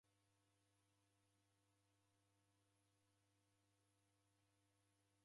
W'ineke haki raw'o.